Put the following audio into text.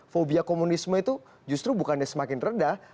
fobia komunisme itu justru bukannya semakin rendah